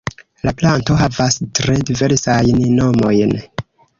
La planto havas tre diversajn nomojn.